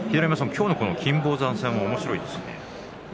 今日の金峰山戦はおもしろいですね。